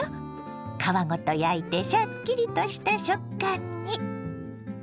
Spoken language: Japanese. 皮ごと焼いてシャッキリとした食感に。